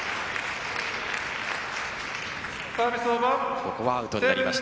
ここはアウトになりました。